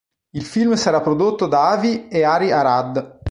Il film sarà prodotto da Avi e Ari Arad.